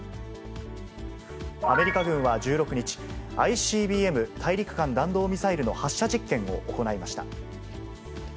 アメリカ軍は１６日、ＩＣＢＭ・大陸間弾道ミサイルの発射実験を行いました。